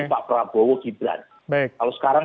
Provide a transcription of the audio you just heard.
pak prabowo gibran kalau sekarang